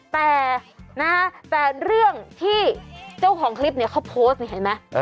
แต่นะแต่เรื่องที่เจ้าของคลิปเนี่ยเขาโพสต์นี่เห็นไหม